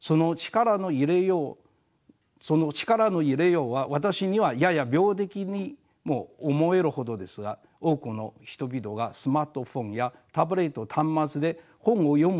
その力の入れようは私にはやや病的にも思えるほどですが多くの人々がスマートフォンやタブレット端末で本を読む